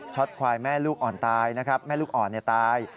็ตควายแม่ลูกอ่อนตายนะครับแม่ลูกอ่อนตาย